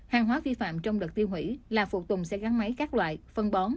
hàng hóa vi phạm trong đợt tiêu hủy là phụ tùng xe gắn máy các loại phân bón